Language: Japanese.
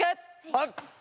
はい。